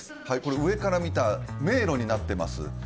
はいこれ上から見た迷路になってます